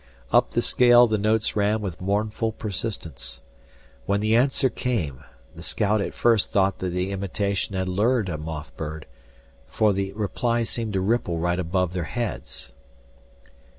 Up the scale the notes ran with mournful persistence. When the answer came, the scout at first thought that the imitation had lured a moth bird, for the reply seemed to ripple right above their heads.